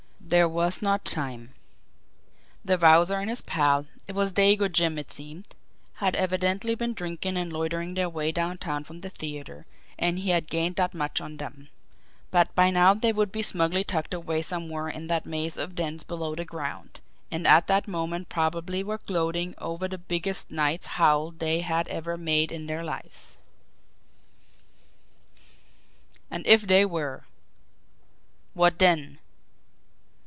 There was not time. The Wowzer and his pal it was Dago Jim it seemed had evidently been drinking and loitering their way downtown from the theatre, and he had gained that much on them; but by now they would be smugly tucked away somewhere in that maze of dens below the ground, and at that moment probably were gloating over the biggest night's haul they had ever made in their lives! And if they were! What then?